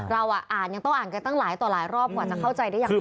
เราอ่านยังต้องอ่านกันตั้งหลายต่อหลายรอบกว่าจะเข้าใจได้อย่างไร